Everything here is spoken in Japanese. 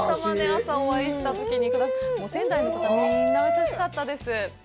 朝お会いしたときに、仙台の方、みんな優しかったです。